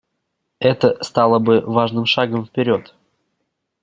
Это стало бы важным шагом вперед.